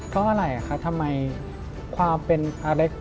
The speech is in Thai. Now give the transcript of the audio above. เพราะอะไรคะทำไมความเป็นอเล็ก